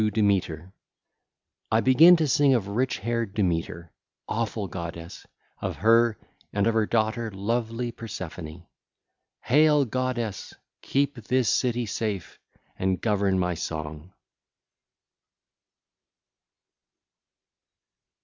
XIII. TO DEMETER (ll. 1 2) I begin to sing of rich haired Demeter, awful goddess, of her and of her daughter lovely Persephone. (l. 3) Hail, goddess! Keep this city safe, and govern my song.